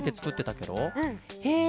へえ。